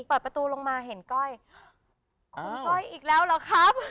เปิดประตูลงมาเห็นก้อยคุณก้อยอีกแล้วเหรอครับ